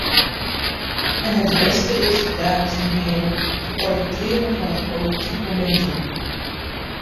En het beste is, dames en heren, te profiteren van het politiek momentum.